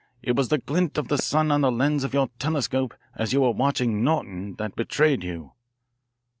It was the glint of the sun on the lens of your telescope as you were watching Norton that betrayed you."